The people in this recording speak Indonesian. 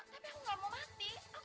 tapi aku gak mau mati